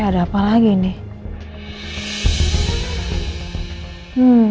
ada apa lagi nih